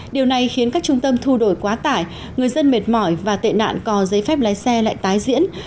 điều này khiến các trung tâm thu đổi quá tải người dân mệt mỏi và tệ nạn cò giấy phép lái xe lại tái diễn